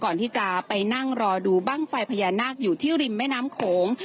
ก่อนที่จะไปนั่งรอดูบ้างไฟพญานาคอยู่ที่ริมแม่น้ำโขง